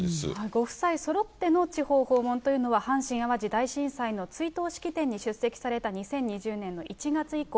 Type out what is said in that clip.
ご夫妻そろっての地方訪問というのは、阪神・淡路大震災の追悼式典に出席された２０２０年の１月以降２